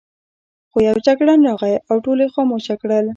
خو یو جګړن راغی او ټول یې خاموشه کړل.